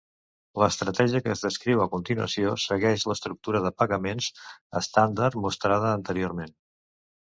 L'estratègia que es descriu a continuació segueix l'estructura de pagaments estàndard mostrada anteriorment.